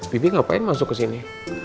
bibi ngapain masuk kesini